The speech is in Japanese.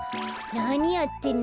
なにやってんの？